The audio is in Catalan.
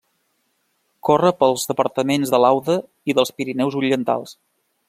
Corre pels departaments de l'Aude i dels Pirineus Orientals.